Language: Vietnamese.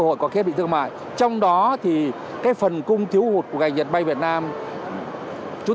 hội có kết bị thương mại trong đó thì cái phần cung thiếu hụt của ngành dệt may việt nam chúng